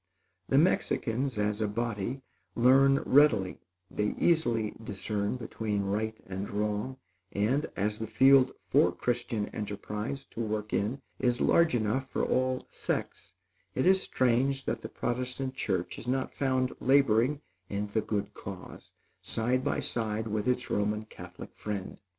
The Mexicans, as a body, learn readily; they easily discern between right and wrong; and, as the field for Christian enterprise to work in is large enough for all sects, it is strange that the Protestant church is not found laboring in the good cause, side by side with its Roman Catholic friend.